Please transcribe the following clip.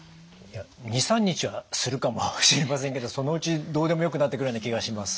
２３日はするかもしれませんけどそのうちどうでもよくなってくるような気がします。